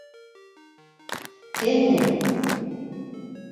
— Кем һин?!